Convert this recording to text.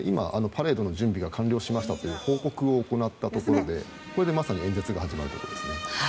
パレードの準備が完了しましたという報告を行ったところでこれで演説が始まるところですね。